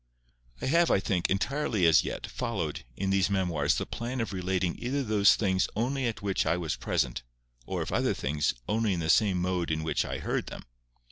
I have, I think, entirely as yet, followed, in these memoirs, the plan of relating either those things only at which I was present, or, if other things, only in the same mode in which I heard them.